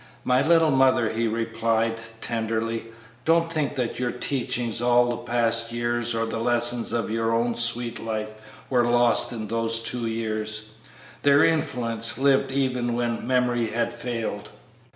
"My little mother," he replied, tenderly, "don't think that your teachings all the past years or the lessons of your own sweet life were lost in those two years; their influence lived even when memory had failed."